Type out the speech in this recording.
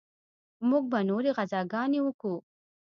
موږ به نورې غزاګانې وکو.